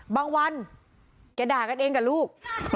บางวันแกด่ากันเองกับลูก